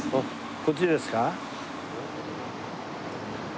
こっちですか？